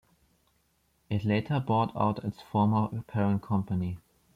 It later bought out its former parent company.